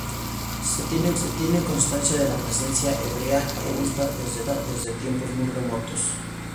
Se tiene constancia de la presencia hebrea en Sagunto desde tiempos muy remotos.